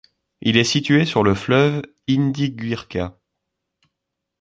Il est situé sur le fleuve Indiguirka.